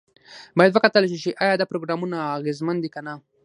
باید وکتل شي چې ایا دا پروګرامونه اغیزمن دي که نه.